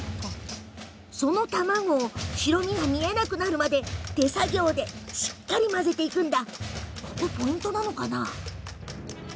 その卵を白身が見えなくなるまで手作業でしっかり混ぜていくんだ。